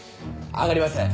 上がりません。